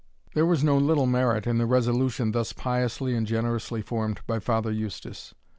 There was no little merit in the resolution thus piously and generously formed by Father Eustace.